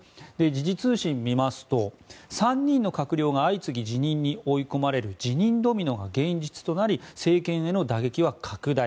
時事通信を見ますと３人の閣僚が相次ぎ辞任に追い込まれる辞任ドミノが現実となり政権への打撃は拡大。